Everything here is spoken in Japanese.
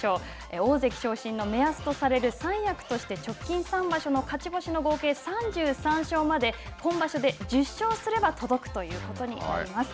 大関昇進の目安とされる、三役として貯金三場所の勝ち星の合計まで３３勝まで、今場所で１０勝すれば届くということになります。